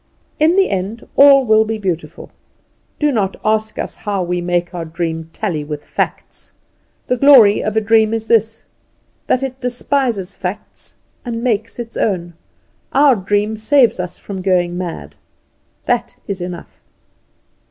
In the end all will be beautiful. Do not ask us how we make our dream tally with facts; the glory of a dream is this that it despises facts, and makes its own. Our dream saves us from going mad; that is enough.